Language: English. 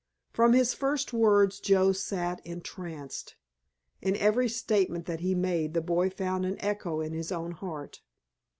From his first words Joe sat entranced. In every statement that he made the boy found an echo in his own heart.